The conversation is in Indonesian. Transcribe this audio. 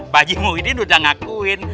pak haji muhyiddin udah ngakuin